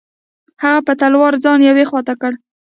هغه په تلوار ځان یوې خوا ته کړ.